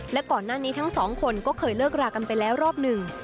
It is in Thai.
และก่อนหน้านี้ทั้งสองคนก็เคยเลิกรากันไปแล้วรอบหนึ่ง